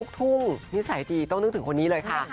ทุ่งนิสัยดีต้องนึกถึงคนนี้เลยค่ะ